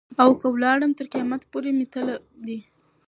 او که ولاړم تر قیامت پوري مي تله دي.